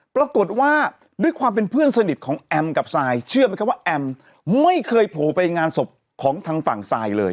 ปรากฏว่าด้วยความเป็นเพื่อนสนิทของแอมกับซายเชื่อไหมครับว่าแอมไม่เคยโผล่ไปงานศพของทางฝั่งซายเลย